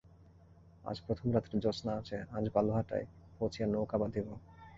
আজ প্রথম রাত্রে জ্যোৎস্না আছে, আজ বালুহাটায় পৌঁছিয়া নৌকা বাঁধিব।